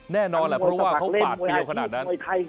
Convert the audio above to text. แน่นอนแหละเพราะว่าเขาปาดเปรี้ยวขนาดนั้น